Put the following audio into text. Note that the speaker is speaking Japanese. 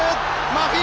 マフィ！